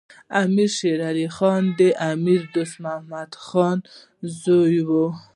امیر شیر علی خان د امیر دوست محمد خان زوی دی.